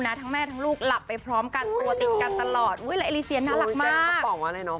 โอ้ยแจ้งกระป๋องว่าอะไรเนอะพร้อยเนอะ